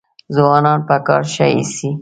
ځوانان په کار ښه ایسي.